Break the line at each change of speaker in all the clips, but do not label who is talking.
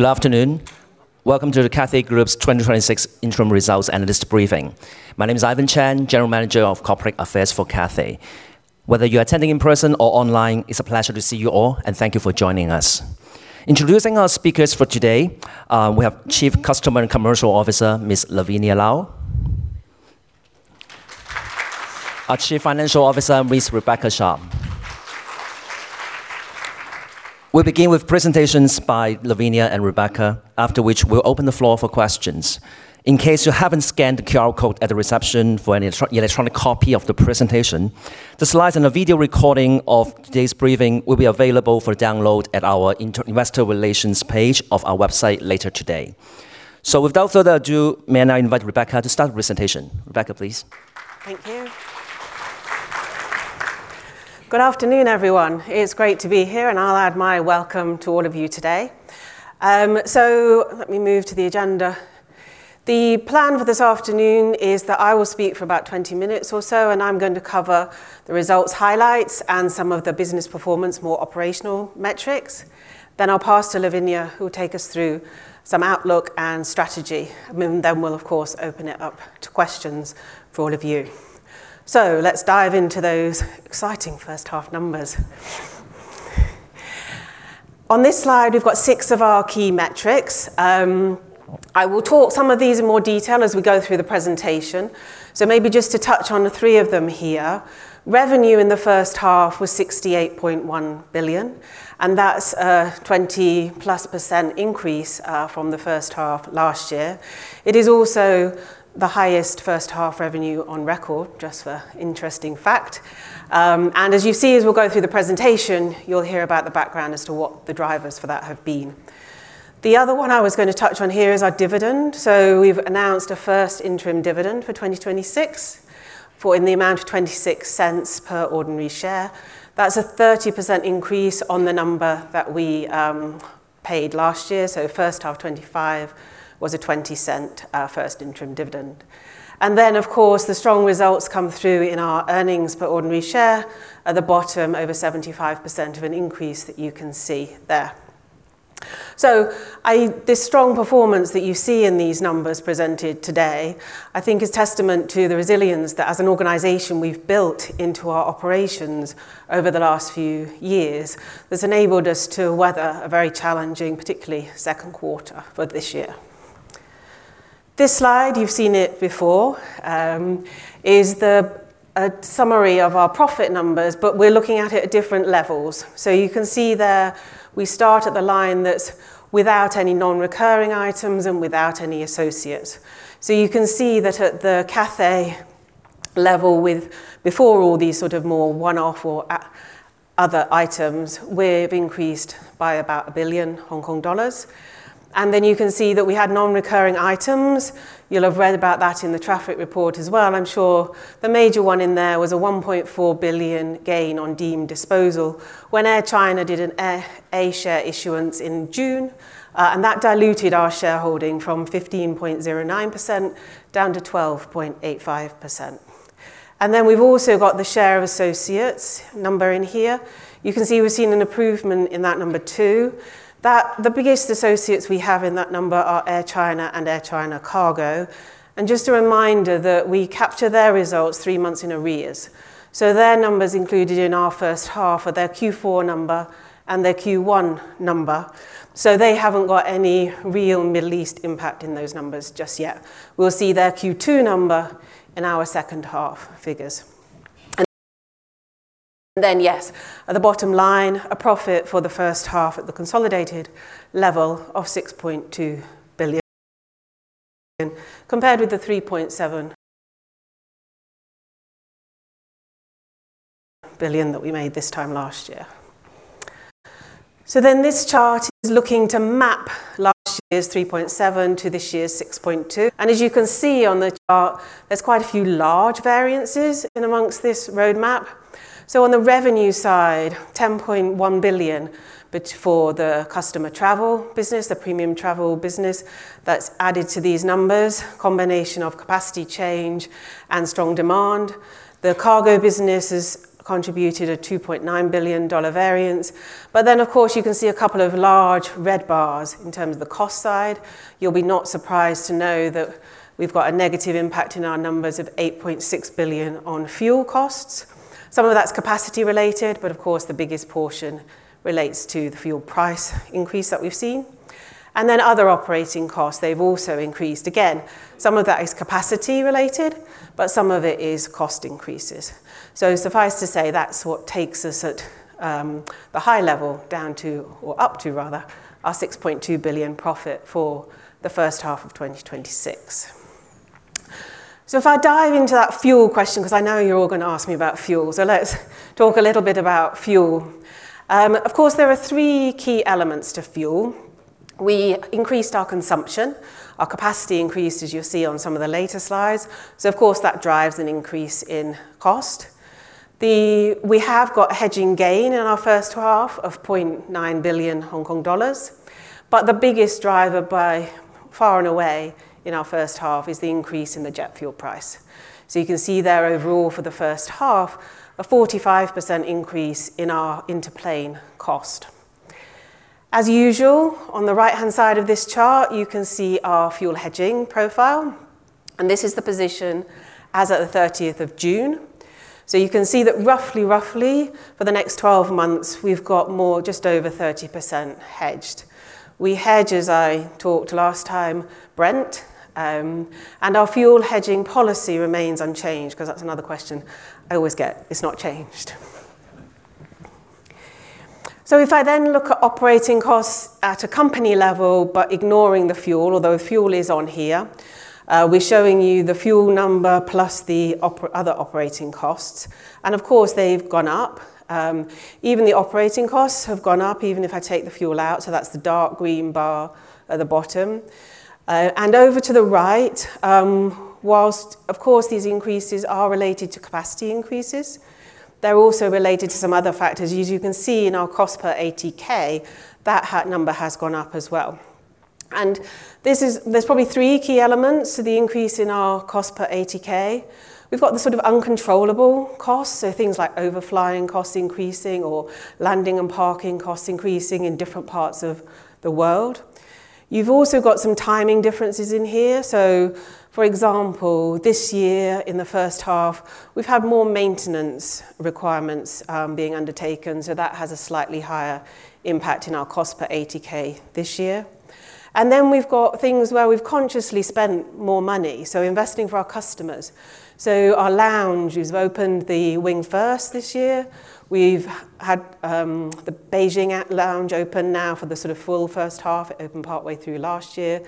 Good afternoon. Welcome to the Cathay Group's 2026 interim results analyst briefing. My name is Ivan Chan, General Manager of Corporate Affairs for Cathay. Whether you're attending in person or online, it's a pleasure to see you all, and thank you for joining us. Introducing our speakers for today, we have Chief Customer and Commercial Officer, Ms. Lavinia Lau. Our Chief Financial Officer, Ms. Rebecca Sharpe. We'll begin with presentations by Lavinia and Rebecca, after which we'll open the floor for questions. In case you haven't scanned the QR code at the reception for an electronic copy of the presentation, the slides and a video recording of today's briefing will be available for download at our investor relations page of our website later today. Without further ado, may I now invite Rebecca to start the presentation. Rebecca, please.
Thank you. Good afternoon, everyone. It's great to be here, and I'll add my welcome to all of you today. Let me move to the agenda. The plan for this afternoon is that I will speak for about 20 minutes or so, and I'm going to cover the results highlights and some of the business performance, more operational metrics. I'll pass to Lavinia, who will take us through some outlook and strategy. We'll of course open it up to questions for all of you. Let's dive into those exciting first half numbers. On this slide, we've got six of our key metrics. I will talk some of these in more detail as we go through the presentation. Maybe just to touch on the three of them here. Revenue in the first half was 68.1 billion, and that's a 20+% increase from the first half last year. It is also the highest first half revenue on record, just for interesting fact. As you see, as we'll go through the presentation, you'll hear about the background as to what the drivers for that have been. The other one I was going to touch on here is our dividend. We've announced a first interim dividend for 2026, in the amount of 0.26 per ordinary share. That's a 30% increase on the number that we paid last year. First half 2025 was a 0.20 first interim dividend. Of course, the strong results come through in our earnings per ordinary share. At the bottom, over 75% of an increase that you can see there. This strong performance that you see in these numbers presented today, I think is testament to the resilience that as an organization we've built into our operations over the last few years, that's enabled us to weather a very challenging, particularly second quarter for this year. This slide, you've seen it before, is the summary of our profit numbers, but we're looking at it at different levels. You can see there, we start at the line that's without any non-recurring items and without any associates. You can see that at the Cathay level, before all these sort of more one-off or other items, we've increased by about 1 billion Hong Kong dollars. You can see that we had non-recurring items. You'll have read about that in the traffic report as well, I'm sure. The major one in there was a 1.4 billion gain on deemed disposal when Air China did an A-share issuance in June. That diluted our shareholding from 15.09% down to 12.85%. We've also got the share of associates number in here. You can see we've seen an improvement in that number too. The biggest associates we have in that number are Air China and Air China Cargo. Just a reminder that we capture their results three months in arrears. Their numbers included in our first half are their Q4 number and their Q1 number. They haven't got any real Middle East impact in those numbers just yet. We'll see their Q2 number in our second half figures. At the bottom line, a profit for the first half at the consolidated level of 6.2 billion, compared with the 3.7 billion that we made this time last year. This chart is looking to map last year's 3.7 billion to this year's 6.2 billion. As you can see on the chart, there's quite a few large variances in amongst this roadmap. On the revenue side, 10.1 billion, for the customer travel business, the premium travel business, that's added to these numbers, combination of capacity change and strong demand. The cargo business has contributed a 2.9 billion dollar variance. But, of course, you can see a couple of large red bars in terms of the cost side. You'll be not surprised to know that we've got a negative impact in our numbers of 8.6 billion on fuel costs. Some of that's capacity related, but of course, the biggest portion relates to the fuel price increase that we've seen. Other operating costs, they've also increased. Again, some of that is capacity related, but some of it is cost increases. Suffice to say, that's what takes us at the high level down to, or up to rather, our 6.2 billion profit for the first half of 2026. If I dive into that fuel question, because I know you're all going to ask me about fuel. Let's talk a little bit about fuel. Of course, there are three key elements to fuel. We increased our consumption. Our capacity increased, as you'll see on some of the later slides. Of course, that drives an increase in cost. We have got a hedging gain in our first half of 9 billion Hong Kong dollars. The biggest driver by far and away in our first half is the increase in the jet fuel price. You can see there overall for the first half, a 45% increase in our into-plane cost. As usual, on the right-hand side of this chart, you can see our fuel hedging profile, and this is the position as at the 30th of June. You can see that roughly for the next 12 months we've got just over 30% hedged. We hedge, as I talked last time, Brent, and our fuel hedging policy remains unchanged because that's another question I always get. It's not changed. If I then look at operating costs at a company level, but ignoring the fuel, although fuel is on here, we're showing you the fuel number plus the other operating costs, and of course, they've gone up. Even the operating costs have gone up, even if I take the fuel out, so that's the dark green bar at the bottom. Over to the right, whilst of course these increases are related to capacity increases, they're also related to some other factors. As you can see in our cost per ATK, that number has gone up as well. There's probably three key elements to the increase in our cost per ATK. We've got the sort of uncontrollable costs, so things like overflying costs increasing or landing and parking costs increasing in different parts of the world. You've also got some timing differences in here. For example, this year in the first half, we've had more maintenance requirements being undertaken, so that has a slightly higher impact in our cost per ATK this year. We've got things where we've consciously spent more money, so investing for our customers. Our lounge, we've opened The Wing, First this year. We've had the Beijing lounge open now for the sort of full first half. It opened partway through last year.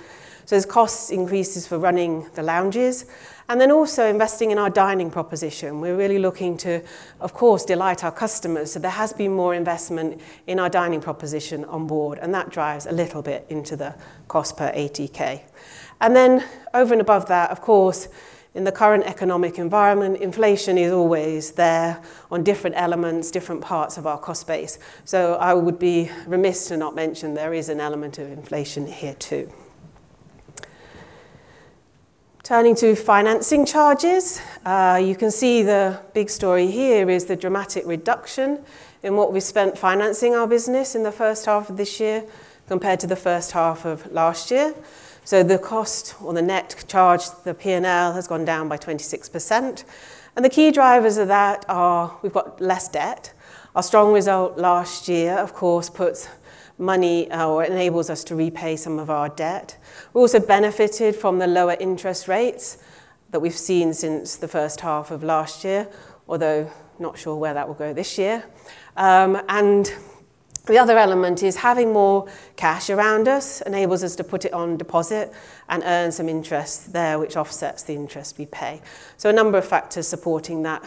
There's cost increases for running the lounges. Also investing in our dining proposition. We're really looking to, of course, delight our customers. There has been more investment in our dining proposition on board, and that drives a little bit into the cost per ATK. Over and above that, of course, in the current economic environment, inflation is always there on different elements, different parts of our cost base. I would be remiss to not mention there is an element of inflation here too. Turning to financing charges. You can see the big story here is the dramatic reduction in what we spent financing our business in the first half of this year compared to the first half of last year. The cost or the net charge, the P&L, has gone down by 26%, and the key drivers of that are we've got less debt. Our strong result last year, of course, puts money or enables us to repay some of our debt. We also benefited from the lower interest rates that we've seen since the first half of last year, although not sure where that will go this year. The other element is having more cash around us enables us to put it on deposit and earn some interest there, which offsets the interest we pay. A number of factors supporting that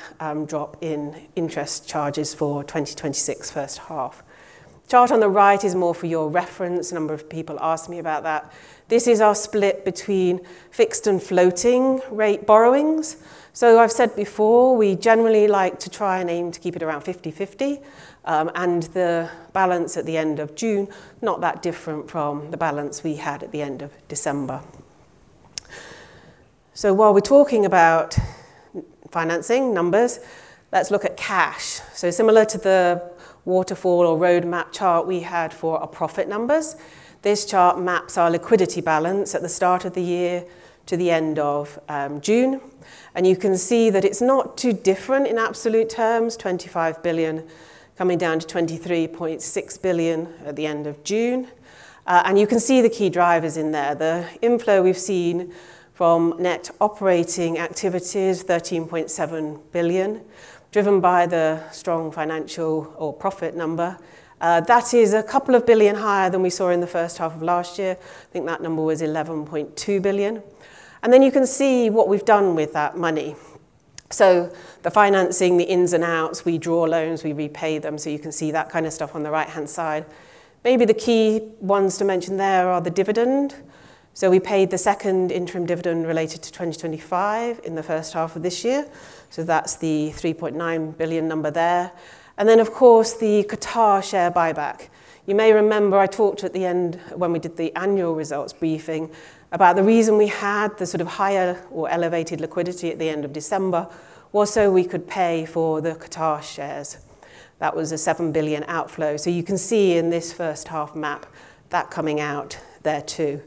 drop in interest charges for 2026 first half. Chart on the right is more for your reference. A number of people asked me about that. This is our split between fixed and floating rate borrowings. I've said before, we generally like to try and aim to keep it around 50/50, and the balance at the end of June, not that different from the balance we had at the end of December. While we're talking about financing numbers, let's look at cash. Similar to the waterfall or roadmap chart we had for our profit numbers, this chart maps our liquidity balance at the start of the year to the end of June, and you can see that it's not too different in absolute terms, 25 billion coming down to 23.6 billion at the end of June. You can see the key drivers in there. The inflow we've seen from net operating activities, 13.7 billion, driven by the strong financial or profit number. That is a couple of billion higher than we saw in the first half of last year. I think that number was 11.2 billion. You can see what we've done with that money. The financing, the ins and outs, we draw loans, we repay them, you can see that kind of stuff on the right-hand side. The key ones to mention there are the dividend. We paid the second interim dividend related to 2025 in the first half of this year, that's the 3.9 billion number there. Of course, the Qatar share buyback. You may remember I talked at the end when we did the annual results briefing about the reason we had the sort of higher or elevated liquidity at the end of December was we could pay for the Qatar shares. That was a 7 billion outflow. You can see in this first half map that coming out there too.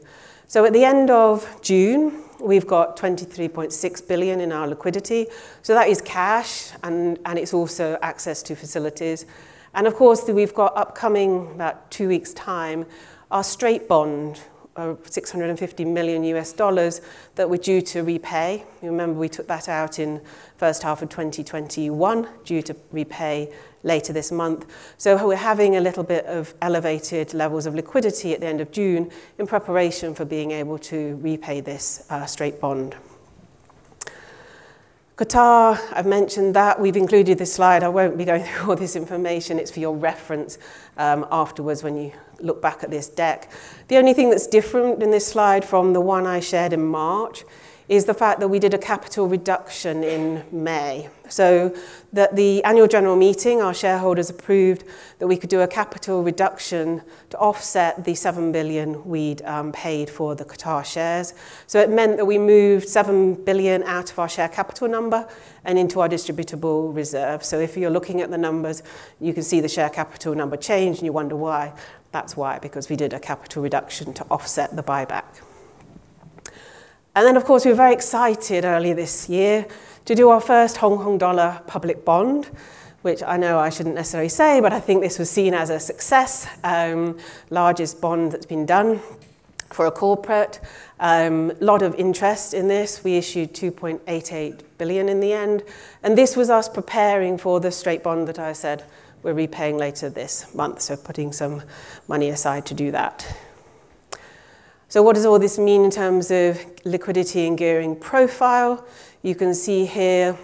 At the end of June, we've got 23.6 billion in our liquidity. That is cash and it's also access to facilities, and of course, we've got upcoming, about two weeks' time, our straight bond of $650 million that we're due to repay. You remember we took that out in first half of 2021, due to repay later this month. We're having a little bit of elevated levels of liquidity at the end of June in preparation for being able to repay this straight bond. Qatar, I've mentioned that. We've included this slide. I won't be going through all this information. It's for your reference afterwards when you look back at this deck. The only thing that's different in this slide from the one I shared in March is the fact that we did a capital reduction in May, at the annual general meeting, our shareholders approved that we could do a capital reduction to offset the 7 billion we'd paid for the Qatar shares. It meant that we moved 7 billion out of our share capital number and into our distributable reserve. If you're looking at the numbers, you can see the share capital number change, and you wonder why. That's why, because we did a capital reduction to offset the buyback. Of course, we were very excited earlier this year to do our first Hong Kong dollar public bond, which I know I shouldn't necessarily say, but I think this was seen as a success. Largest bond that's been done for a corporate. Lot of interest in this. We issued 2.88 billion in the end, this was us preparing for the straight bond that I said we're repaying later this month, putting some money aside to do that. What does all this mean in terms of liquidity and gearing profile? You can see here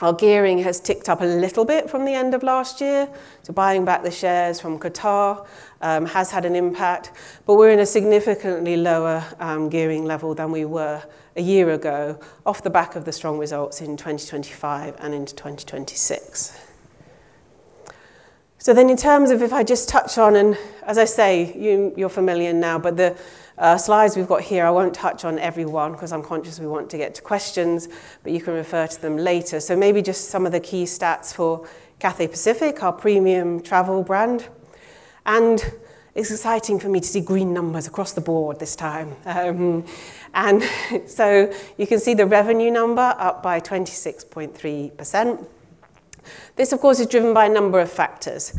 our gearing has ticked up a little bit from the end of last year, buying back the shares from Qatar has had an impact. We're in a significantly lower gearing level than we were a year ago, off the back of the strong results in 2025 and into 2026. In terms of, if I just touch on, and as I say, you're familiar now, but the slides we've got here, I won't touch on every one because I'm conscious we want to get to questions, but you can refer to them later. Maybe just some of the key stats for Cathay Pacific, our premium travel brand. It's exciting for me to see green numbers across the board this time. You can see the revenue number up by 26.3%. This, of course, is driven by a number of factors.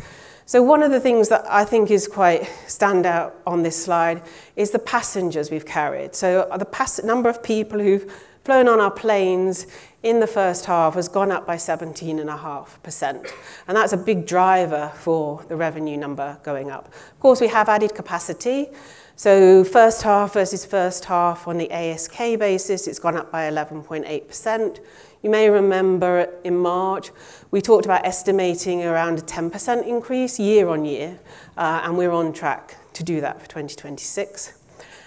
One of the things that I think is quite standout on this slide is the passengers we've carried. The number of people who've flown on our planes in the first half has gone up by 17.5%, and that's a big driver for the revenue number going up. Of course, we have added capacity. First half versus first half on the ASK basis, it's gone up by 11.8%. You may remember in March, we talked about estimating around a 10% increase year-on-year, and we're on track to do that for 2026.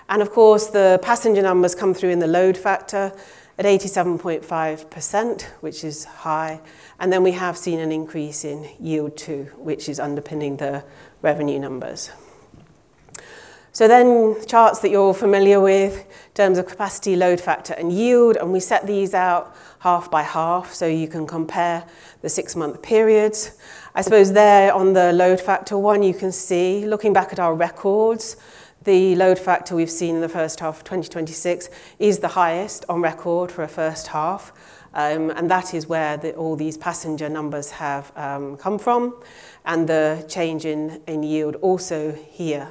Of course, the passenger numbers come through in the load factor at 87.5%, which is high. We have seen an increase in yield too, which is underpinning the revenue numbers. Charts that you're familiar with in terms of capacity, load factor, and yield, and we set these out half by half so you can compare the six-month periods. I suppose there on the load factor one, you can see, looking back at our records, the load factor we've seen in the first half of 2026 is the highest on record for a first half, and that is where all these passenger numbers have come from, and the change in yield also here.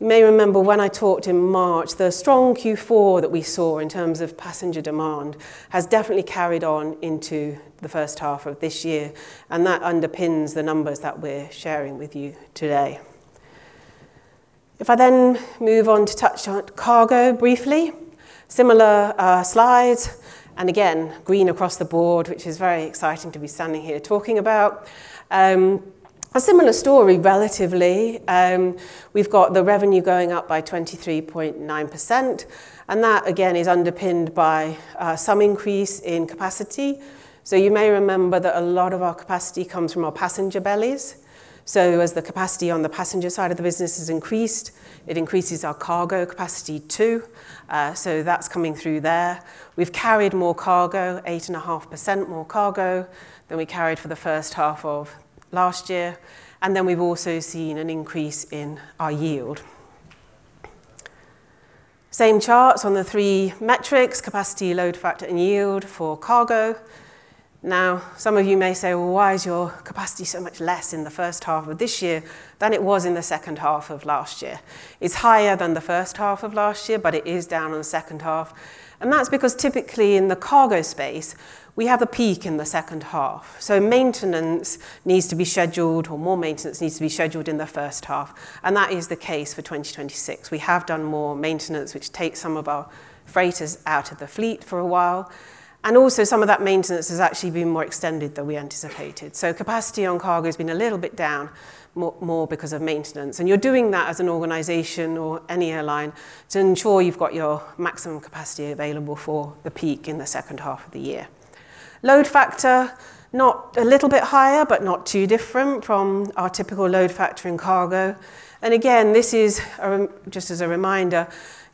You may remember when I talked in March, the strong Q4 that we saw in terms of passenger demand has definitely carried on into the first half of this year, and that underpins the numbers that we're sharing with you today. If I move on to touch on cargo briefly, similar slides, again, green across the board, which is very exciting to be standing here talking about. A similar story relatively. We've got the revenue going up by 23.9%, that again is underpinned by some increase in capacity. You may remember that a lot of our capacity comes from our passenger bellies. As the capacity on the passenger side of the business has increased, it increases our cargo capacity too. That's coming through there. We've carried more cargo, 8.5% more cargo than we carried for the first half of last year. We've also seen an increase in our yield. Same charts on the three metrics, capacity, load factor, and yield for cargo. Some of you may say, "Well, why is your capacity so much less in the first half of this year than it was in the second half of last year?" It's higher than the first half of last year, but it is down on the second half, that's because typically in the cargo space, we have a peak in the second half. Maintenance needs to be scheduled or more maintenance needs to be scheduled in the first half, that is the case for 2026. We have done more maintenance, which takes some of our freighters out of the fleet for a while, also some of that maintenance has actually been more extended than we anticipated. Capacity on cargo has been a little bit down, more because of maintenance. You're doing that as an organization or any airline to ensure you've got your maximum capacity available for the peak in the second half of the year. Load factor, a little bit higher, but not too different from our typical load factor in cargo. Again, this is just as a reminder.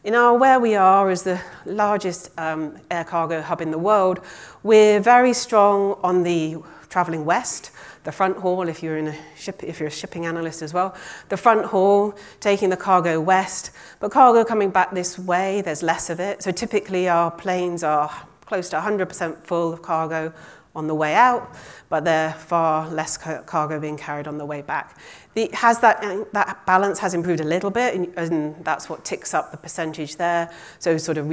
In our where we are as the largest air cargo hub in the world, we're very strong on the traveling west, the front haul, if you're a shipping analyst as well. The front haul, taking the cargo west. Cargo coming back this way, there's less of it. Typically, our planes are close to 100% full of cargo on the way out, but there far less cargo being carried on the way back. That balance has improved a little bit, and that's what ticks up the percentage there.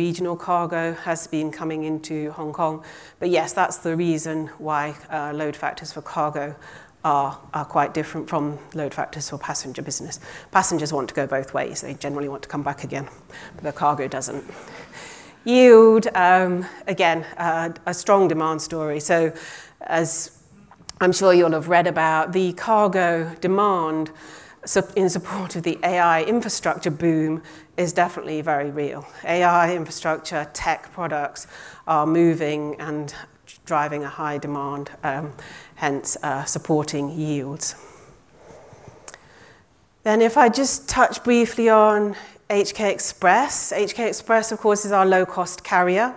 Regional cargo has been coming into Hong Kong. Yes, that's the reason why load factors for cargo are quite different from load factors for passenger business. Passengers want to go both ways. They generally want to come back again, but the cargo doesn't. Yield, again, a strong demand story. As I'm sure you all have read about the cargo demand in support of the AI infrastructure boom is definitely very real. AI infrastructure, tech products are moving and driving a high demand, hence supporting yields. If I just touch briefly on HK Express. HK Express, of course, is our low-cost carrier,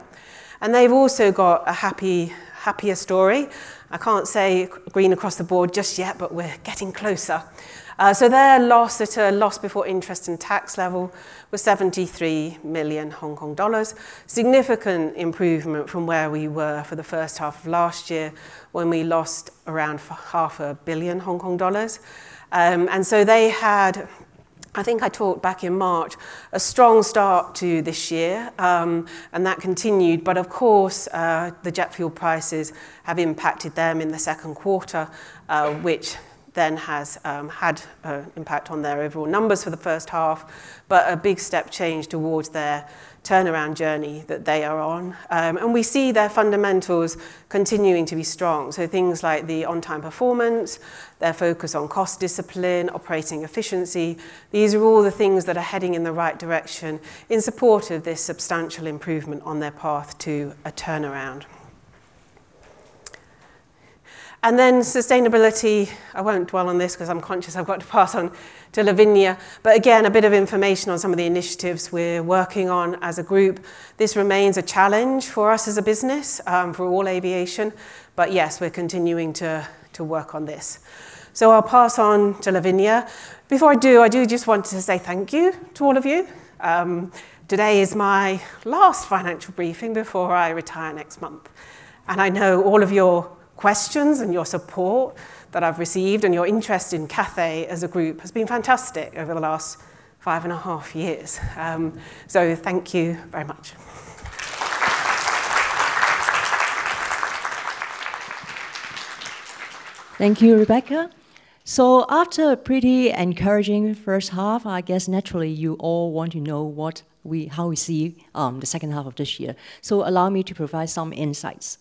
and they've also got a happier story. I can't say green across the board just yet, but we're getting closer. Their loss before interest and tax level was 73 million Hong Kong dollars. Significant improvement from where we were for the first half of last year, when we lost around 0.5 billion Hong Kong dollars. They had, I think I talked back in March, a strong start to this year, and that continued. Of course, the jet fuel prices have impacted them in the second quarter, which has had an impact on their overall numbers for the first half, but a big step change towards their turnaround journey that they are on. We see their fundamentals continuing to be strong. Things like the on-time performance, their focus on cost discipline, operating efficiency, these are all the things that are heading in the right direction in support of this substantial improvement on their path to a turnaround. Sustainability, I won't dwell on this because I'm conscious I've got to pass on to Lavinia. Again, a bit of information on some of the initiatives we're working on as a Group. This remains a challenge for us as a business, for all aviation. Yes, we're continuing to work on this. I'll pass on to Lavinia. Before I do, I do just want to say thank you to all of you. Today is my last financial briefing before I retire next month, and I know all of your questions and your support that I've received and your interest in Cathay Group has been fantastic over the last five and a half years. Thank you very much.
Thank you, Rebecca. After a pretty encouraging first half, I guess naturally you all want to know how we see the second half of this year. Allow me to provide some insights.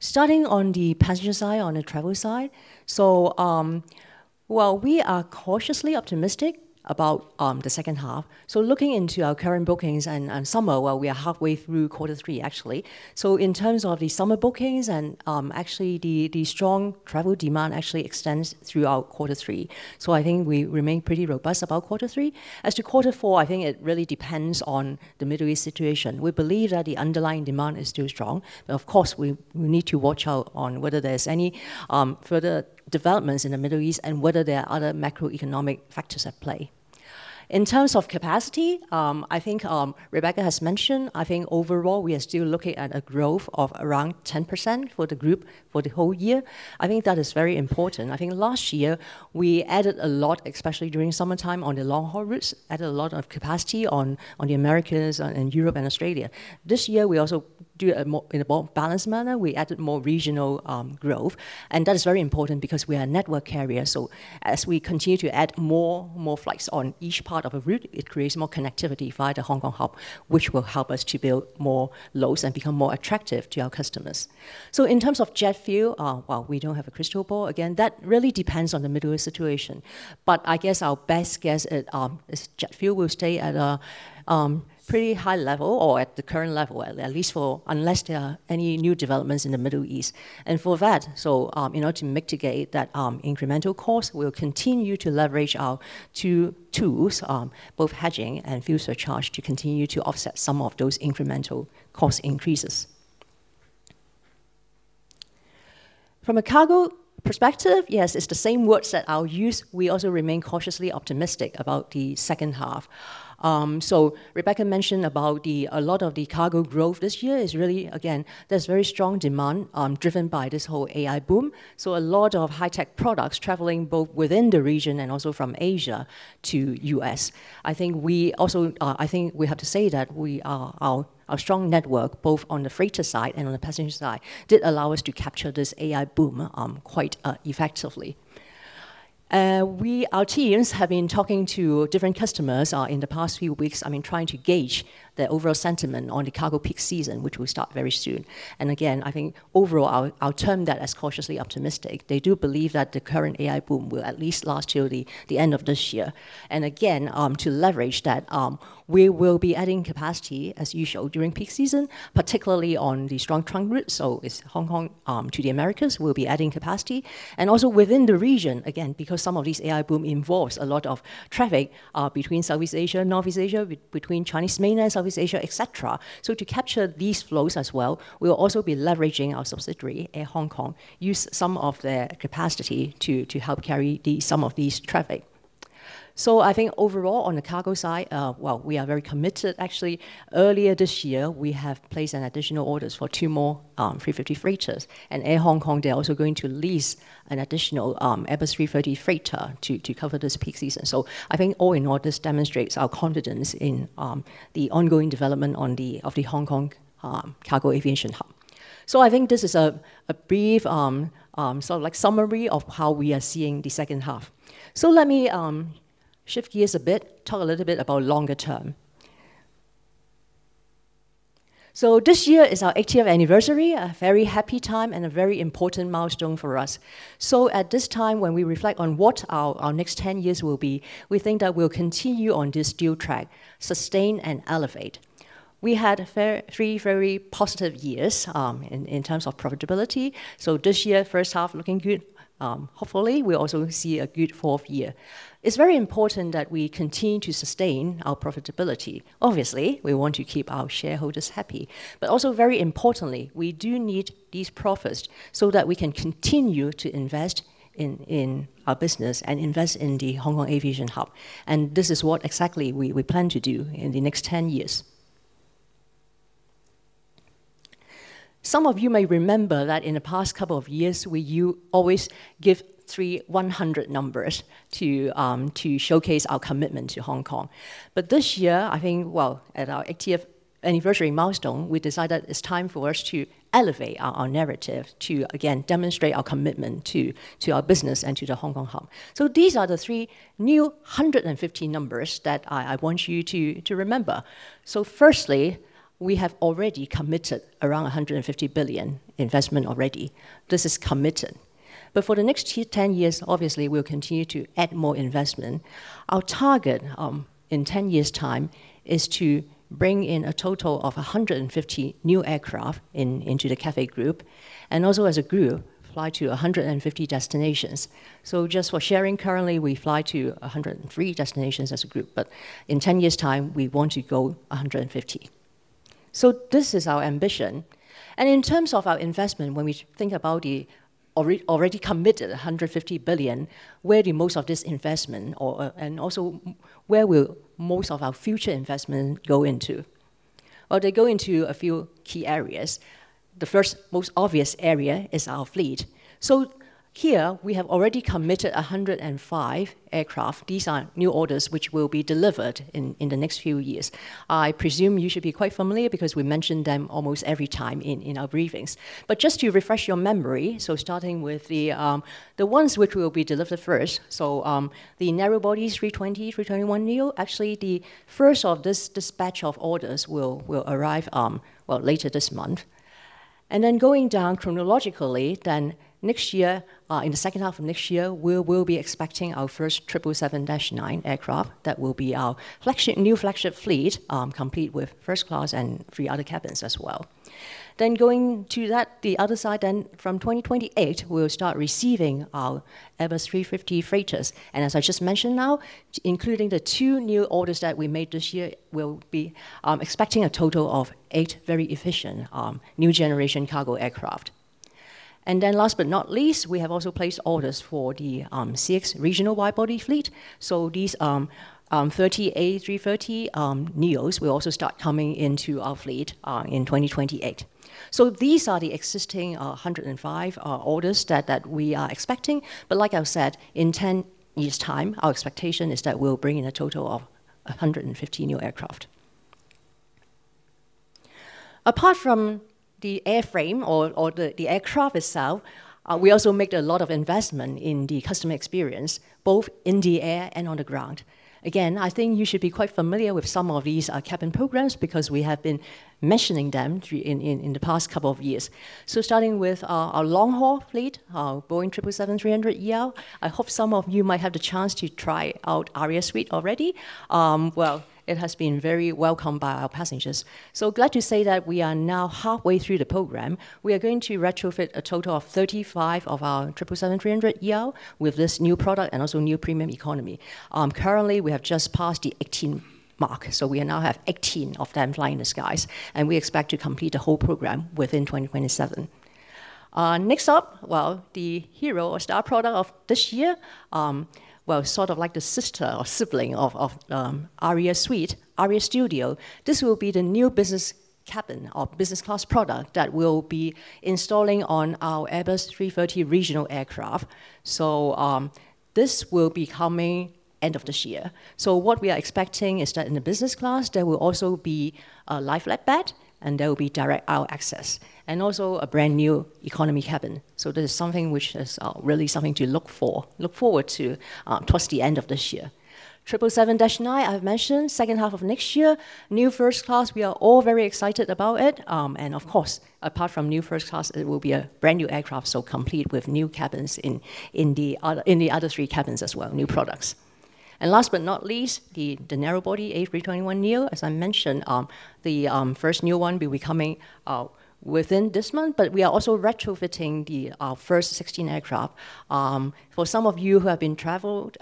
Starting on the passenger side, on the travel side, while we are cautiously optimistic about the second half, looking into our current bookings and summer, while we are halfway through quarter three. In terms of the summer bookings and the strong travel demand actually extends throughout quarter three. I think we remain pretty robust about quarter three. As to quarter four, I think it really depends on the Middle East situation. We believe that the underlying demand is still strong, but of course, we need to watch out on whether there's any further developments in the Middle East and whether there are other macroeconomic factors at play. In terms of capacity, I think Rebecca has mentioned, I think overall, we are still looking at a growth of around 10% for the group for the whole year. I think that is very important. I think last year we added a lot, especially during summertime on the long-haul routes, added a lot of capacity on the Americas and Europe, and Australia. This year, we also do it in a more balanced manner. We added more regional growth, and that is very important because we are a network carrier. As we continue to add more flights on each part of a route, it creates more connectivity via the Hong Kong hub, which will help us to build more loads and become more attractive to our customers. In terms of jet fuel, while we don't have a crystal ball, again, that really depends on the Middle East situation. I guess our best guess is jet fuel will stay at a pretty high level or at the current level, at least unless there are any new developments in the Middle East. To mitigate that incremental cost, we'll continue to leverage our two tools, both hedging and fuel surcharge, to continue to offset some of those incremental cost increases. From a cargo perspective, yes, it's the same words that I'll use. We also remain cautiously optimistic about the second half. Rebecca mentioned about a lot of the cargo growth this year is really, again, there's very strong demand, driven by this whole AI boom. A lot of high-tech products traveling both within the region and also from Asia to U.S. I think we have to say that our strong network, both on the freighter side and on the passenger side, did allow us to capture this AI boom quite effectively. Our teams have been talking to different customers in the past few weeks, trying to gauge their overall sentiment on the cargo peak season, which will start very soon. Again, I think overall, I'll term that as cautiously optimistic. They do believe that the current AI boom will at least last till the end of this year. Again, to leverage that, we will be adding capacity as usual during peak season, particularly on the strong trunk routes. It's Hong Kong to the Americas, we'll be adding capacity. Also within the region, again, because some of this AI boom involves a lot of traffic between Southeast Asia, Northeast Asia, between Chinese mainland, Southeast Asia, et cetera. To capture these flows as well, we'll also be leveraging our subsidiary, Air Hong Kong, use some of their capacity to help carry some of this traffic. I think overall, on the cargo side, while we are very committed, actually earlier this year, we have placed an additional orders for two more A350 freighters. Air Hong Kong, they're also going to lease an additional Airbus A330 freighter to cover this peak season. I think all in all, this demonstrates our confidence in the ongoing development of the Hong Kong cargo aviation hub. I think this is a brief summary of how we are seeing the second half. Let me shift gears a bit, talk a little bit about longer term. This year is our 80th anniversary, a very happy time and a very important milestone for us. At this time, when we reflect on what our next 10 years will be, we think that we'll continue on this dual track, sustain and elevate. We had three very positive years in terms of profitability. This year, first half looking good. Hopefully, we'll also see a good fourth year. It's very important that we continue to sustain our profitability. Obviously, we want to keep our shareholders happy, but also very importantly, we do need these profits so that we can continue to invest in our business and invest in the Hong Kong aviation hub. This is what exactly we plan to do in the next 10 years. Some of you may remember that in the past couple of years, we always give three 100 numbers to showcase our commitment to Hong Kong. This year, I think, well, at our 80th-anniversary milestone, we decided it's time for us to elevate our narrative to, again, demonstrate our commitment to our business and to the Hong Kong hub. These are the three new 150 numbers that I want you to remember. Firstly, we have already committed around 150 billion investment already. This is committed. For the next 10 years, obviously, we'll continue to add more investment. Our target in 10 years' time is to bring in a total of 150 new aircraft into the Cathay Group, also as a group, fly to 150 destinations. Just for sharing, currently, we fly to 103 destinations as a group, but in 10 years' time, we want to go 150. This is our ambition. In terms of our investment, when we think about the already committed 150 billion, where the most of this investment, and also where will most of our future investment go into? They go into a few key areas. The first, most obvious area is our fleet. Here we have already committed 105 aircraft. These are new orders, which will be delivered in the next few years. I presume you should be quite familiar because we mentioned them almost every time in our briefings. Just to refresh your memory, starting with the ones which will be delivered first, the narrow body A320, A321neo. The first of this dispatch of orders will arrive later this month. Going down chronologically, next year, in the second half of next year, we will be expecting our first 777-9 aircraft. That will be our new flagship fleet, complete with first class and three other cabins as well. Going to the other side, from 2028, we'll start receiving our Airbus A350 freighters. As I just mentioned now, including the two new orders that we made this year, we'll be expecting a total of eight very efficient new-generation cargo aircraft. Last but not least, we have also placed orders for the CX regional wide-body fleet. These 30 A330neos will also start coming into our fleet in 2028. These are the existing 105 orders that we are expecting. Like I've said, in 10 years' time, our expectation is that we'll bring in a total of 150 new aircraft. Apart from the airframe or the aircraft itself, we also made a lot of investment in the customer experience, both in the air and on the ground. I think you should be quite familiar with some of these cabin programs because we have been mentioning them in the past couple of years. Starting with our long-haul fleet, our Boeing 777-300ER, I hope some of you might have the chance to try out Aria Suite already. It has been very welcome by our passengers. Glad to say that we are now halfway through the program. We are going to retrofit a total of 35 of our 777-300ER with this new product and also new premium economy. Currently, we have just passed the 18 mark, we now have 18 of them flying the skies, and we expect to complete the whole program within 2027. Next up, the hero or star product of this year, sort of like the sister or sibling of Aria Suite, Aria Studio. This will be the new business cabin or business class product that we'll be installing on our Airbus A330 regional aircraft. This will be coming end of this year. What we are expecting is that in the business class, there will also be a lie-flat bed and there will be direct aisle access, and also a brand-new economy cabin. This is something which is really something to look forward to towards the end of this year. 777-9, I've mentioned, second half of next year. New first class, we are all very excited about it. Apart from new first class, it will be a brand-new aircraft, complete with new cabins in the other three cabins as well, new products. Last but not least, the narrow body A321neo. As I mentioned, the first new one will be coming within this month. We are also retrofitting our first 16 aircraft. For some of you who have traveled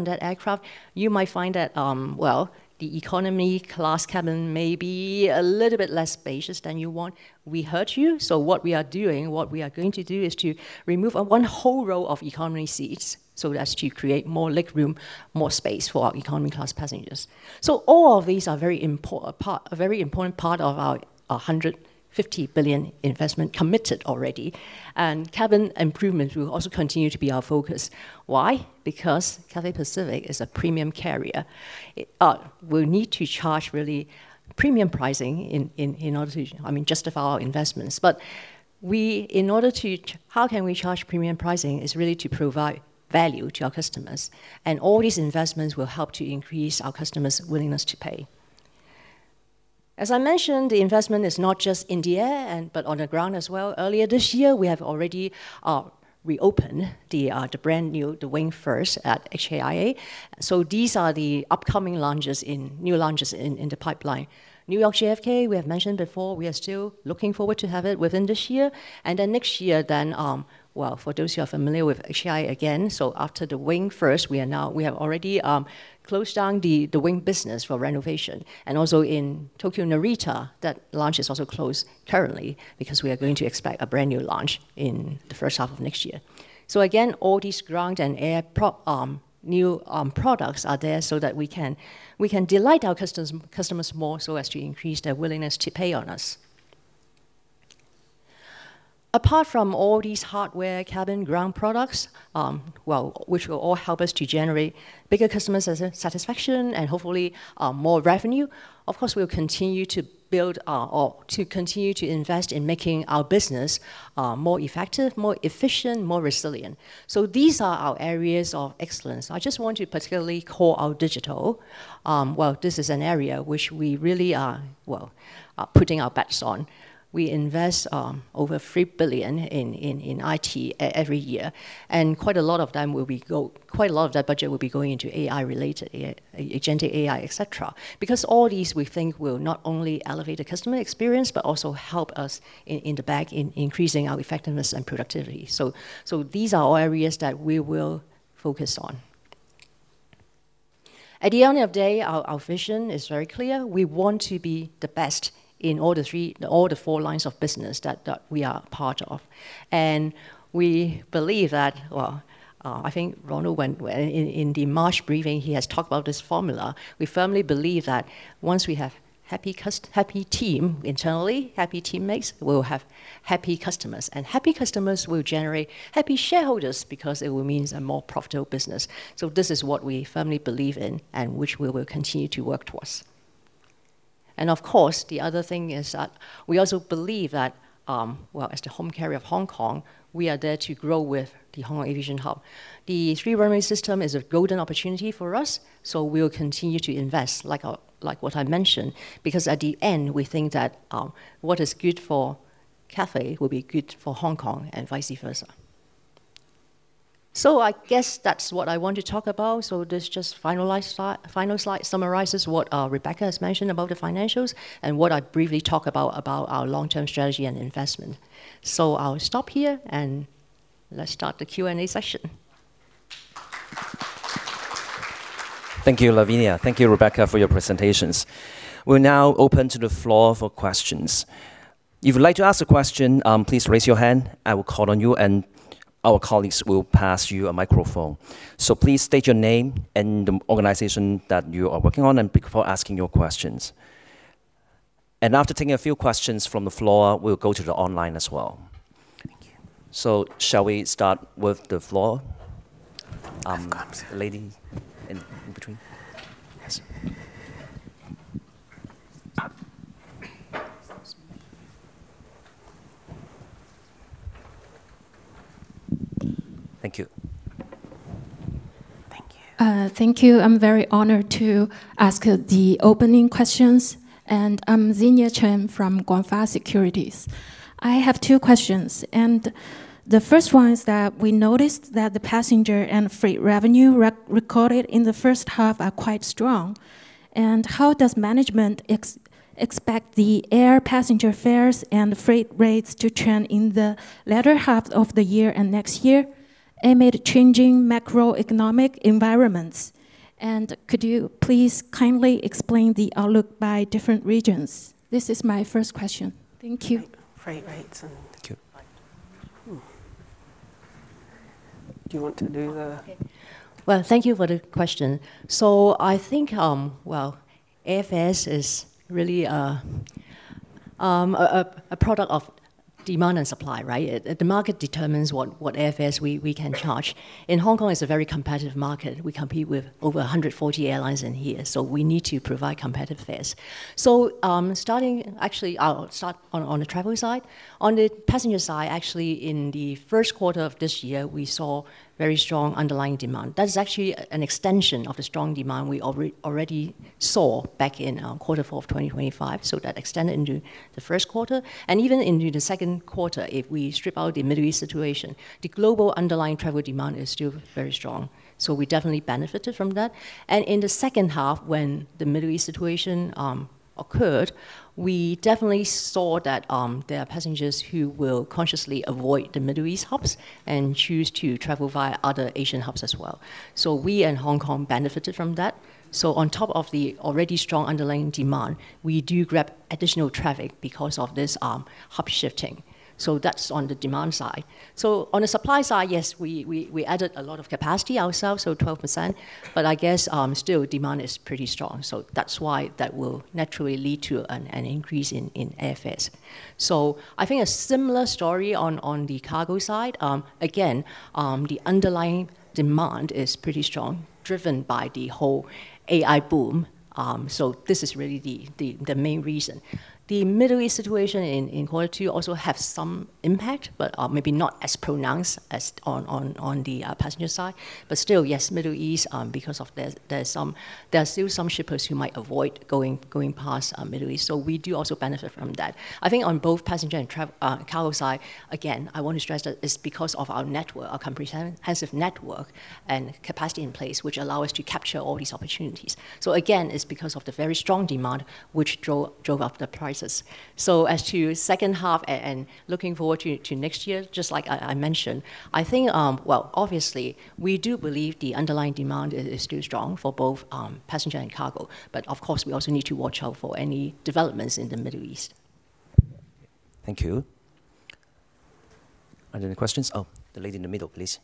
on that aircraft, you might find that, well, the economy class cabin may be a little bit less spacious than you want. We heard you. What we are going to do is to remove one whole row of economy seats so as to create more legroom, more space for our economy class passengers. All of these are a very important part of our 150 billion investment committed already. Cabin improvement will also continue to be our focus. Why? Because Cathay Pacific is a premium carrier. We need to charge really premium pricing in order to, I mean, justify our investments. How can we charge premium pricing is really to provide value to our customers, and all these investments will help to increase our customers' willingness to pay. As I mentioned, the investment is not just in the air, but on the ground as well. Earlier this year, we have already reopened The Wing, First at HKIA. These are the upcoming new launches in the pipeline. New York JFK, we have mentioned before, we are still looking forward to have it within this year. Next year, well, for those who are familiar with HKIA, again, after The Wing, First, we have already closed down The Wing, Business for renovation. Also, in Tokyo Narita, that lounge is also closed currently because we are going to expect a brand-new lounge in the first half of next year. Again, all these ground and air new products are there so that we can delight our customers more so as to increase their willingness to pay on us. Apart from all these hardware cabin ground products, which will all help us to generate bigger customer satisfaction and hopefully more revenue, of course, we'll continue to invest in making our business more effective, more efficient, more resilient. These are our areas of excellence. I just want to particularly call out digital. This is an area that we really are putting our bets on. We invest over 3 billion in IT every year, and quite a lot of that budget will be going into AI related, agentic AI, et cetera. Because all these, we think, will not only elevate the customer experience, but also help us in the back in increasing our effectiveness and productivity. These are all areas that we will focus on. At the end of the day, our vision is very clear. We want to be the best in all the four lines of business that we are part of. We believe that, well, I think Ronald, in the March briefing, he has talked about this formula. We firmly believe that once we have happy team internally, happy teammates, we'll have happy customers. Happy customers will generate happy shareholders because it will mean a more profitable business. This is what we firmly believe in and which we will continue to work towards. Of course, the other thing is that we also believe that, as the home carrier of Hong Kong, we are there to grow with the Hong Kong aviation hub. The Three-Runway System is a golden opportunity for us, we'll continue to invest, like what I mentioned, because at the end, we think that what is good for Cathay will be good for Hong Kong and vice versa. I guess that's what I want to talk about. This just final slide summarizes what Rebecca has mentioned about the financials and what I briefly talk about our long-term strategy and investment. I'll stop here and let's start the Q&A session.
Thank you, Lavinia. Thank you, Rebecca, for your presentations. We're now open to the floor for questions. If you'd like to ask a question, please raise your hand. I will call on you, and our colleagues will pass you a microphone. Please state your name and the organization that you are working on before asking your questions. After taking a few questions from the floor, we'll go to the online as well.
Thank you.
Shall we start with the floor?
Of course.
Lady in between.
Yes.
Thank you.
Thank you.
Thank you. I am very honored to ask the opening questions. I am [inaudible] from GF Securities. I have two questions. The first one is that we noticed that the passenger and freight revenue recorded in the first half are quite strong. How does management expect the air passenger fares and freight rates to trend in the latter half of the year and next year amid changing macroeconomic environments? Could you please kindly explain the outlook by different regions? This is my first question. Thank you.
Freight rates and
Thank you.
Do you want to do the
Okay. Well, thank you for the question. I think AFS is really a product of demand and supply, right? The market determines what AFS we can charge. In Hong Kong, it's a very competitive market. We compete with over 140 airlines in here, so we need to provide competitive fares. Actually, I'll start on the travel side. On the passenger side, actually, in the first quarter of this year, we saw very strong underlying demand. That's actually an extension of the strong demand we already saw back in quarter four of 2025. That extended into the first quarter. Even into the second quarter, if we strip out the Middle East situation, the global underlying travel demand is still very strong. We definitely benefited from that. In the second half, when the Middle East situation occurred, we definitely saw that there are passengers who will consciously avoid the Middle East hubs and choose to travel via other Asian hubs as well. We and Hong Kong benefited from that. On top of the already strong underlying demand, we do grab additional traffic because of this hub shifting. That's on the demand side. On the supply side, yes, we added a lot of capacity ourselves, 12%, but I guess, still, demand is pretty strong. That's why that will naturally lead to an increase in AFS. I think a similar story on the cargo side. Again, the underlying demand is pretty strong, driven by the whole AI boom. This is really the main reason. The Middle East situation in quarter two also had some impact, but maybe not as pronounced as on the passenger side. Still, yes, Middle East, because there are still some shippers who might avoid going past the Middle East. We do also benefit from that. I think on both passenger and cargo side, again, I want to stress that it's because of our comprehensive network and capacity in place, which allow us to capture all these opportunities. Again, it's because of the very strong demand, which drove up the prices. As to the second half and looking forward to next year, just like I mentioned, I think, obviously, we do believe the underlying demand is still strong for both passenger and cargo, but of course, we also need to watch out for any developments in the Middle East.
Thank you. Are there any questions? Oh, the lady in the middle, please.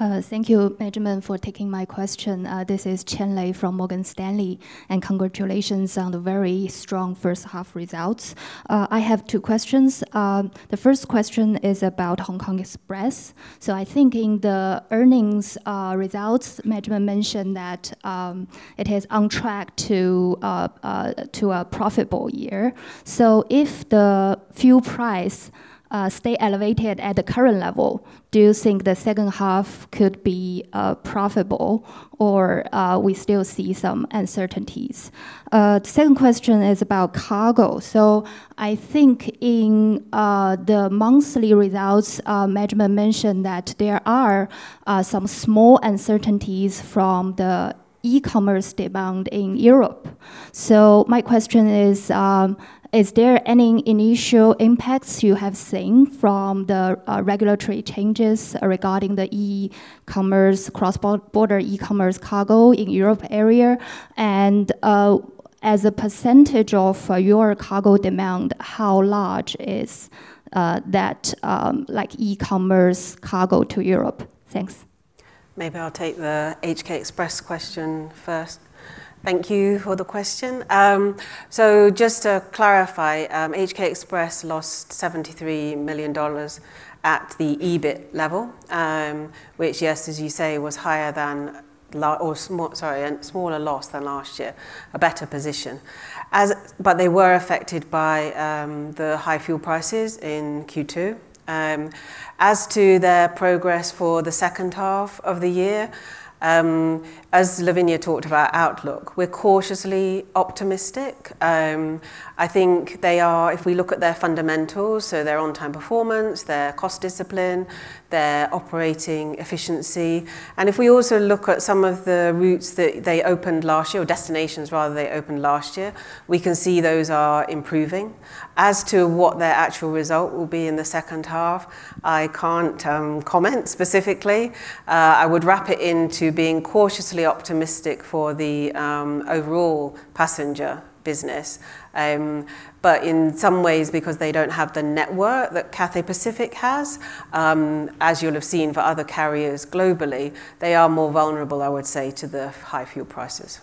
Thank you, management, for taking my question. This is Cheng Lei from Morgan Stanley, congratulations on the very strong first half results. I have two questions. The first question is about HK Express. I think in the earnings results, management mentioned that it is on track to a profitable year. If the fuel price stay elevated at the current level, do you think the second half could be profitable, or we still see some uncertainties? The second question is about cargo. I think in the monthly results, management mentioned that there are some small uncertainties from the e-commerce demand in Europe. My question is: Is there any initial impacts you have seen from the regulatory changes regarding the cross-border e-commerce cargo in Europe area? As a percentage of your cargo demand, how large is that e-commerce cargo to Europe? Thanks.
Maybe I'll take the HK Express question first. Thank you for the question. Just to clarify, HK Express lost 73 million dollars at the EBIT level, which, yes, as you say, was a smaller loss than last year, a better position. They were affected by the high fuel prices in Q2. As to their progress for the second half of the year, as Lavinia talked about outlook, we're cautiously optimistic. I think they are, if we look at their fundamentals, so their on-time performance, their cost discipline, their operating efficiency, and if we also look at some of the routes that they opened last year, or destinations rather, they opened last year, we can see those are improving. As to what their actual result will be in the second half, I can't comment specifically. I would wrap it into being cautiously optimistic for the overall passenger business. In some ways, because they don't have the network that Cathay Pacific has, as you'll have seen for other carriers globally, they are more vulnerable, I would say, to the high fuel prices.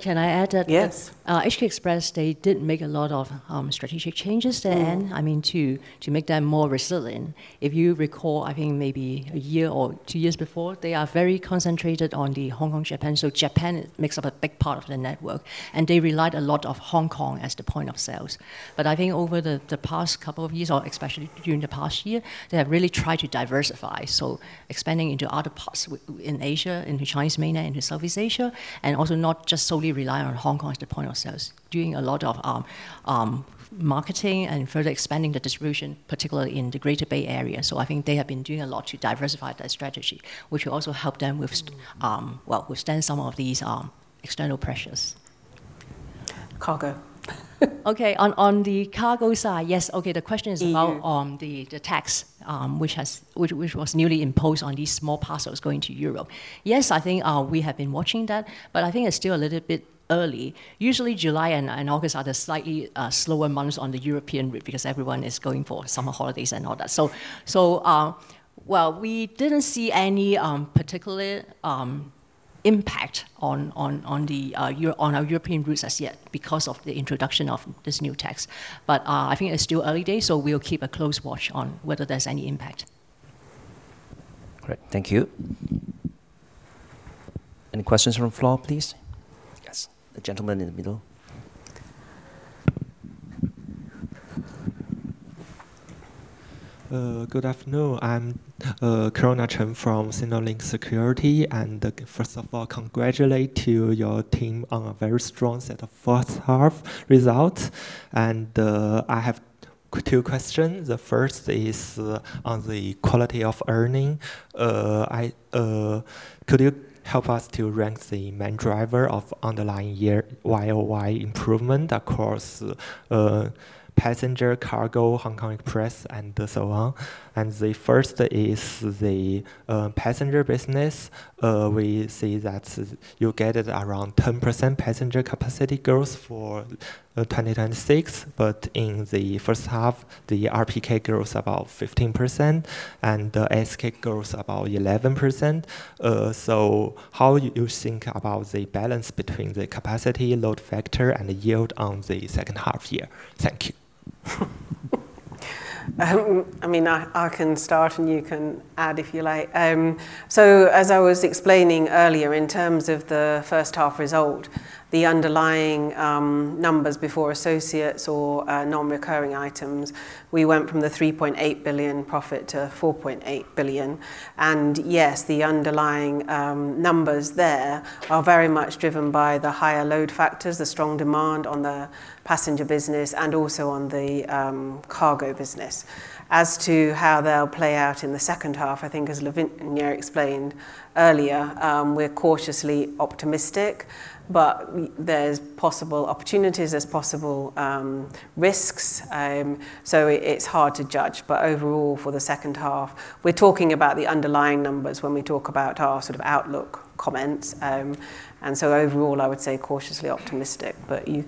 Can I add?
Yes
HK Express, they did make a lot of strategic changes then, to make them more resilient. If you recall, I think maybe one year or two years before, they are very concentrated on the Hong Kong, Japan makes up a big part of the network, and they relied a lot of Hong Kong as the point of sales. I think over the past couple of years, or especially during the past year, they have really tried to diversify, expanding into other parts in Asia, into Chinese mainland, into Southeast Asia, and also not just solely rely on Hong Kong as the point of sales. Doing a lot of marketing and further expanding the distribution, particularly in the Greater Bay Area. I think they have been doing a lot to diversify their strategy, which will also help them withstand some of these external pressures.
Cargo.
On the cargo side, yes. The question is about the tax, which was newly imposed on these small parcels going to Europe. I think we have been watching that, it's still a little bit early. Usually July and August are the slightly slower months on the European route because everyone is going for summer holidays and all that. We didn't see any particular impact on our European routes as yet because of the introduction of this new tax. I think it's still early days, we'll keep a close watch on whether there's any impact.
Great. Thank you. Any questions from floor, please? The gentleman in the middle.
Good afternoon. I'm [inaudible] Chen from Sinolink Security, first of all, congratulate to your team on a very strong set of first half results. I have two questions. The first is on the quality of earnings. Could you help us to rank the main driver of underlying year-over-year improvement across Passenger, Cargo, HK Express, and so on? The first is the Passenger business. We see that you get around 10% passenger capacity growth for 2026, in the first half, the RPK grows about 15% and the ASK grows about 11%. How you think about the balance between the capacity load factor and the yield on the second half year? Thank you.
I can start, and you can add if you like. As I was explaining earlier, in terms of the first half result. The underlying numbers before associates or non-recurring items, we went from the 3.8 billion profit to 4.8 billion. Yes, the underlying numbers there are very much driven by the higher load factors, the strong demand on the passenger business, and also on the cargo business. As to how they'll play out in the second half, I think as Lavinia explained earlier, we're cautiously optimistic, but there's possible opportunities, there's possible risks. It's hard to judge. Overall, for the second half, we're talking about the underlying numbers when we talk about our outlook comments. Overall, I would say cautiously optimistic, but you-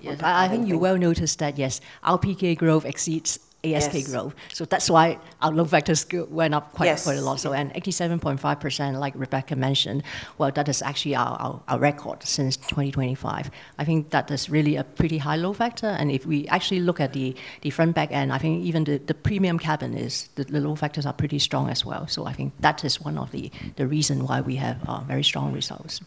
Yes. I think you will notice that, yes, our RPK growth exceeds ASK growth.
Yes.
That's why our load factors went up quite a lot.
Yes.
87.5%, like Rebecca mentioned, well, that is actually our record since 2025. I think that is really a pretty high load factor, and if we actually look at the front back end, I think even the premium cabin is, the load factors are pretty strong as well. I think that is one of the reason why we have very strong results.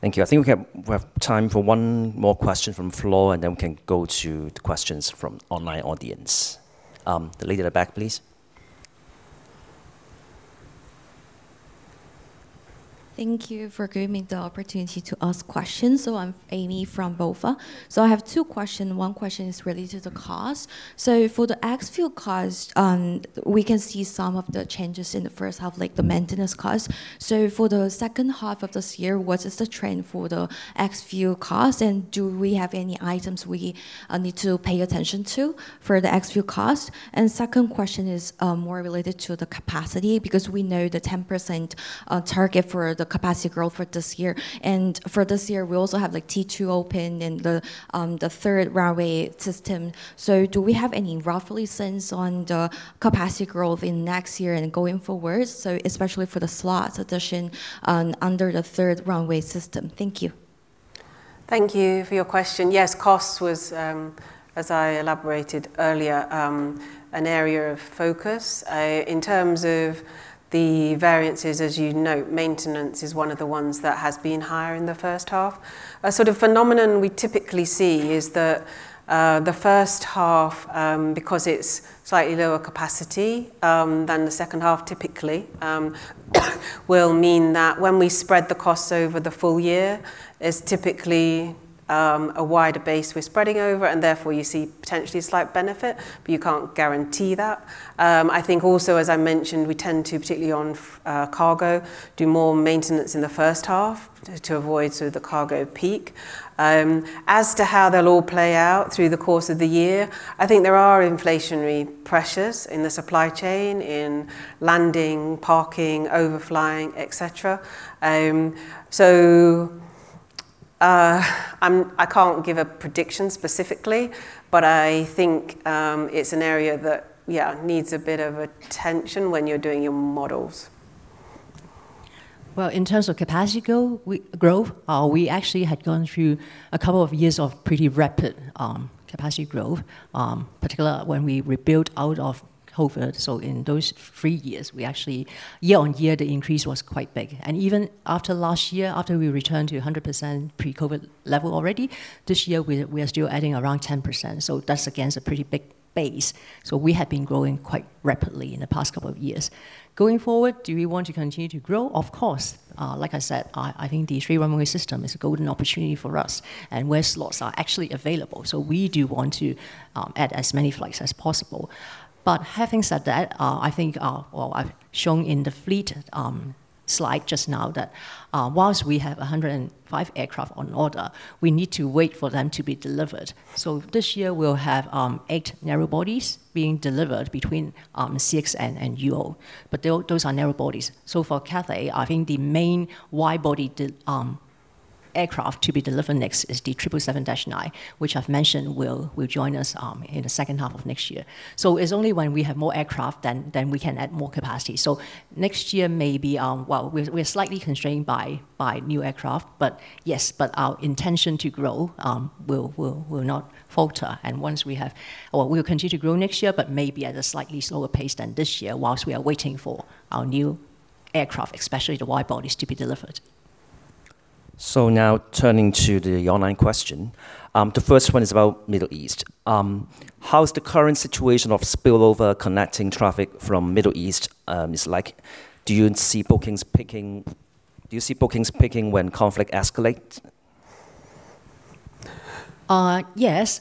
Okay. Thank you. I think we have time for one more question from floor, and then we can go to the questions from online audience. The lady at the back, please.
Thank you for giving me the opportunity to ask questions. I'm Amy from BofA. I have two questions. One question is related to cost. For the ex-fuel cost, we can see some of the changes in the first half, like the maintenance cost. For the second half of this year, what is the trend for the ex-fuel cost, and do we have any items we need to pay attention to for the ex-fuel cost? Second question is more related to the capacity, because we know the 10% target for the capacity growth for this year. For this year, we also have T2 open, and the Three-Runway System. Do we have any roughly sense on the capacity growth in next year and going forwards? Especially for the slots addition under the Three-Runway System. Thank you.
Thank you for your question. Yes, cost was, as I elaborated earlier, an area of focus. In terms of the variances, as you note, maintenance is one of the ones that has been higher in the first half. A sort of phenomenon we typically see is the first half, because it's slightly lower capacity than the second half typically, will mean that when we spread the costs over the full-year, it's typically a wider base we're spreading over, and therefore you see potentially a slight benefit, but you can't guarantee that. I think also, as I mentioned, we tend to, particularly on cargo, do more maintenance in the first half to avoid the cargo peak. As to how they'll all play out through the course of the year, I think there are inflationary pressures in the supply chain, in landing, parking, overflying, et cetera. I can't give a prediction specifically, but I think it's an area that needs a bit of attention when you're doing your models.
Well, in terms of capacity growth, we actually had gone through a couple of years of pretty rapid capacity growth, particular when we rebuilt out of COVID. In those three years, we actually, year-on-year, the increase was quite big. Even after last year, after we returned to 100% pre-COVID level already, this year we are still adding around 10%. That's, again, is a pretty big base. We have been growing quite rapidly in the past couple of years. Going forward, do we want to continue to grow? Of course. Like I said, I think the Three-Runway System is a golden opportunity for us, and where slots are actually available. We do want to add as many flights as possible. Having said that, I think, or I've shown in the fleet slide just now that whilst we have 105 aircraft on order, we need to wait for them to be delivered. This year, we'll have eight narrow bodies being delivered between CX and UO. Those are narrow bodies. For Cathay, I think the main wide body aircraft to be delivered next is the 777-9, which I've mentioned will join us in the second half of next year. It's only when we have more aircraft, then we can add more capacity. Next year may be, we're slightly constrained by new aircraft, yes, but our intention to grow will not falter. We'll continue to grow next year, but maybe at a slightly slower pace than this year whilst we are waiting for our new aircraft, especially the wide bodies to be delivered.
Now turning to the online question. The first one is about Middle East. How's the current situation of spillover connecting traffic from Middle East is like? Do you see bookings picking when conflict escalates?
Yes.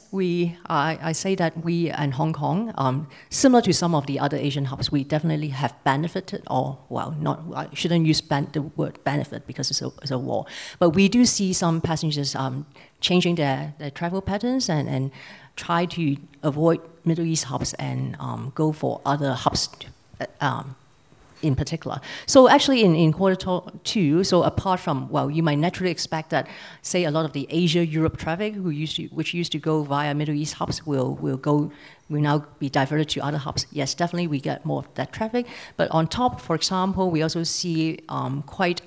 I say that we, and Hong Kong, similar to some of the other Asian hubs, we definitely have benefited, or, well, I shouldn't use the word benefit because it's a war. We do see some passengers changing their travel patterns and try to avoid Middle East hubs and go for other hubs, in particular. Actually, in quarter two, apart from, well, you might naturally expect that, say, a lot of the Asia-Europe traffic which used to go via Middle East hubs will now be diverted to other hubs. Yes, definitely, we get more of that traffic. On top, for example, we also see quite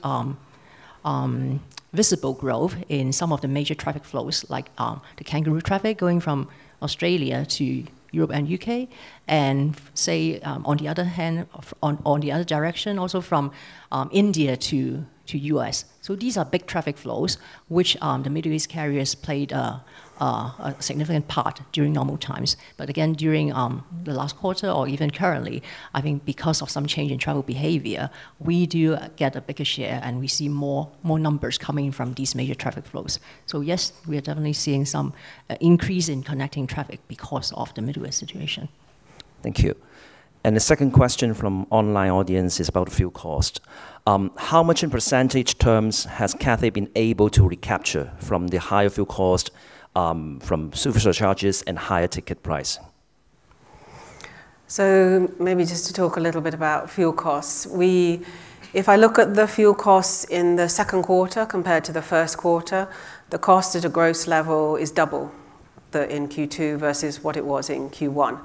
visible growth in some of the major traffic flows, like the Kangaroo Route going from Australia to Europe and U.K., and say, on the other direction, also from India to U.S. These are big traffic flows, which the Middle East carriers played a significant part during normal times. Again, during the last quarter or even currently, I think because of some change in travel behavior, we do get a bigger share, and we see more numbers coming from these major traffic flows. Yes, we are definitely seeing some increase in connecting traffic because of the Middle East situation.
Thank you. The second question from online audience is about fuel cost. How much in percentage terms has Cathay been able to recapture from the higher fuel cost, from surcharges and higher ticket price?
Maybe just to talk a little bit about fuel costs. If I look at the fuel costs in the second quarter compared to the first quarter, the cost at a gross level is double in Q2 versus what it was in Q1.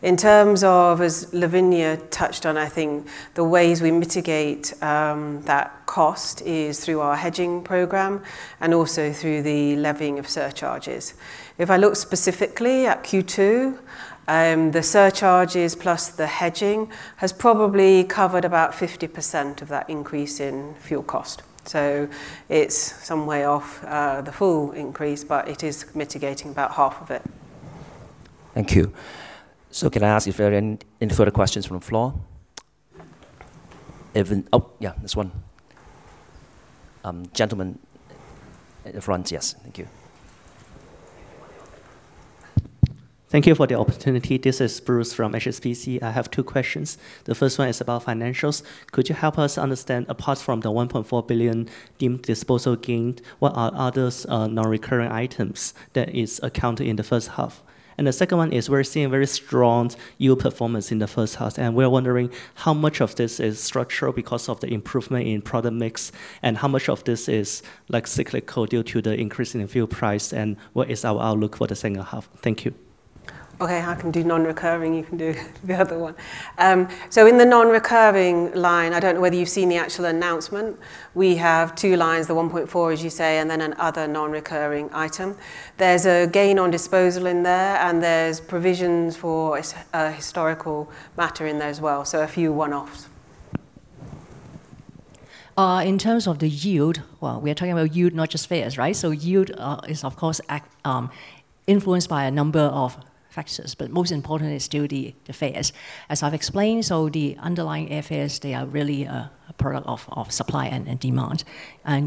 In terms of, as Lavinia touched on, I think the ways we mitigate that cost is through our hedging program and also through the levying of surcharges. If I look specifically at Q2, the surcharges plus the hedging has probably covered about 50% of that increase in fuel cost. It's some way off the full increase, but it is mitigating about half of it.
Thank you. Can I ask if there are any further questions from the floor? Oh, yeah. There's one. Gentleman at the front. Yes. Thank you.
Thank you for the opportunity. This is Bruce from HSBC. I have two questions. The first one is about financials. Could you help us understand, apart from the 1.4 billion disposal gain, what are others non-recurring items that is accounted in the first half? The second one is, we're seeing very strong yield performance in the first half, and we're wondering how much of this is structural because of the improvement in product mix, how much of this is cyclical due to the increase in fuel price, and what is our outlook for the second half? Thank you.
Okay. I can do non-recurring, you can do the other one. In the non-recurring line, I don't know whether you've seen the actual announcement. We have two lines, the 1.4 billion, as you say, and then another non-recurring item. There's a gain on disposal in there, and there's provisions for a historical matter in there as well. A few one-offs.
In terms of the yield, well, we are talking about yield, not just fares, right? Yield is, of course, influenced by a number of factors, but most important is still the fares. As I've explained, the underlying airfares, they are really a product of supply and demand.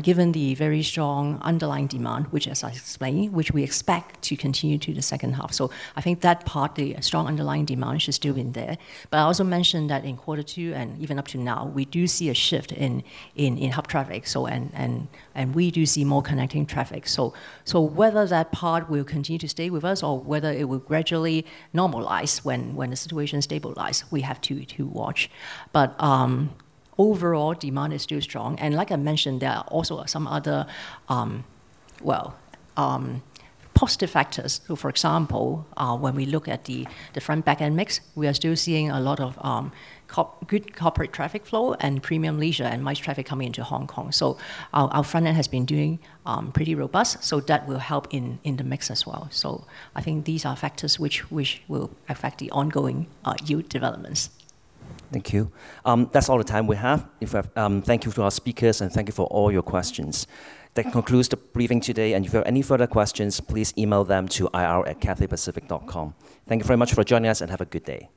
Given the very strong underlying demand, which as I explained, which we expect to continue to the second half. I think that part, the strong underlying demand should still be there. I also mentioned that in quarter two and even up to now, we do see a shift in hub traffic. We do see more connecting traffic. Whether that part will continue to stay with us or whether it will gradually normalize when the situation stabilizes, we have to watch. Overall, demand is still strong. Like I mentioned, there are also some other positive factors. For example, when we look at the front, back-end mix, we are still seeing a lot of good corporate traffic flow and premium leisure and MICE traffic coming into Hong Kong. Our front end has been doing pretty robust, so that will help in the mix as well. I think these are factors which will affect the ongoing yield developments.
Thank you. That's all the time we have. Thank you to our speakers, and thank you for all your questions. That concludes the briefing today, and if you have any further questions, please email them to ir@cathaypacific.com. Thank you very much for joining us, and have a good day.